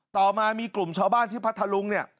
ต่อมามีกลุ่มชาวบ้านที่พัทธลุงเนี่ย